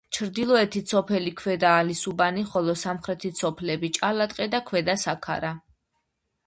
ჩრდილოეთით სოფელი ქვედა ალისუბანი, ხოლო სამხრეთით სოფლები: ჭალატყე და ქვედა საქარა.